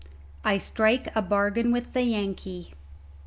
I STRIKE A BARGAIN WITH THE YANKEE.